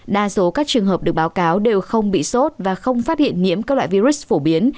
đa số các trường hợp được báo cáo đều không bị sốt và không phát hiện nhiễm các loại virus phổ biến